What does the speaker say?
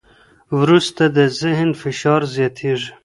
وروسته د ذهن فشار زیاتېږي.